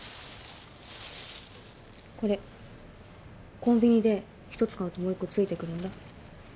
これコンビニで１つ買うともう一個ついてくるんだ。